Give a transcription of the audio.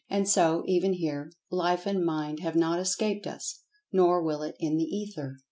And so, even here, Life and Mind have not escaped us. Nor will it in The Ether!